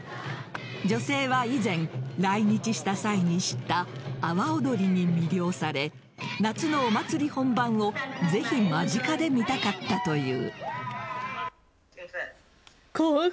女性は以前、来日した際に知った阿波おどりに魅了され夏のお祭り本番をぜひ間近で見たかったという。